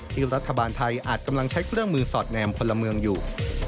รัฐบาลไทยอาจกำลังใช้เครื่องมือสอดแนมพลเมืองอยู่